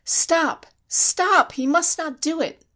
"Stop! stop! He must not do it!